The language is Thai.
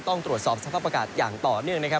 ต้องตรวจสอบสภาพอากาศอย่างต่อเนื่องนะครับ